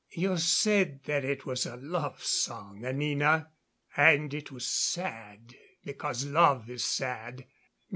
"You said that it was a love song, Anina, and it was sad because love is sad.